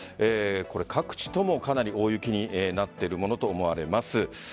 各地ともかなり大雪になっているものと思われます。